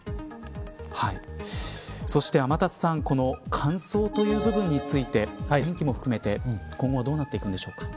そして、天達さんこの乾燥という部分について天気も含めて、今後どうなっていくんでしょうか。